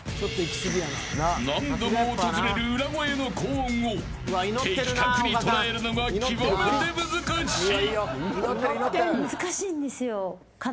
何度も訪れる裏声の高音を的確に捉えるのが極めて難しい。